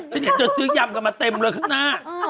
จนเยอะจนซื้อยำกลับมาเต็มเลยข้างหน้า